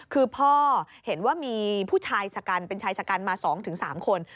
คือพ่อเห็นว่ามีผู้ชายชะกันเป็นชายชะกันมา๒๓คน